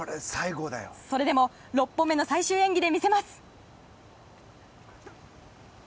それでも６本目の最終演技で見せます。